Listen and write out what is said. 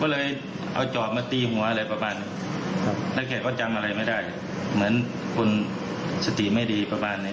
ก็เลยเอาจอบมาตีหัวอะไรประมาณนั้นแล้วแกก็จำอะไรไม่ได้เหมือนคนสติไม่ดีประมาณนี้